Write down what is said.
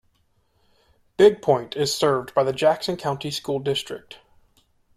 Big Point is served by the Jackson County School District.